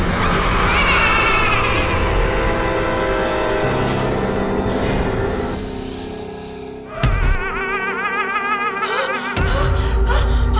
ambil sendiri aja bu